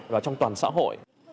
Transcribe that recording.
và trong toàn xã hội